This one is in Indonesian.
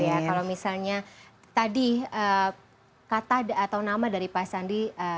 ya kalau misalnya tadi kata atau nama dari pak sandi